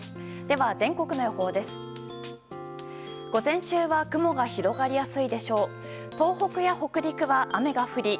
では、全国の予報です。